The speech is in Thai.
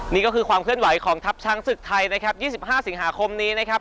นี่ก็คือความเคลื่อนไหวของทัพช้างศึกไทยนะครับ๒๕สิงหาคมนี้นะครับ